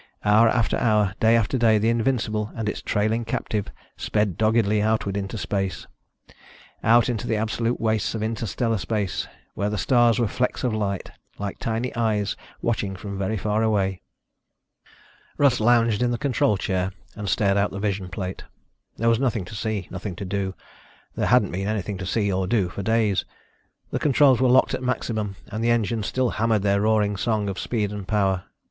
Hour after hour, day after day, the Invincible and its trailing captive sped doggedly outward into space. Out into the absolute wastes of interstellar space, where the stars were flecks of light, like tiny eyes watching from very far away. Russ lounged in the control chair and stared out the vision plate. There was nothing to see, nothing to do. There hadn't been anything to see or do for days. The controls were locked at maximum and the engines still hammered their roaring song of speed and power.